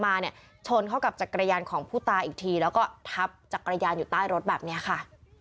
เพราะมันกลับมาที่มีรถที่กลางตึงต้องเปลี่ยนลากมาค่ะ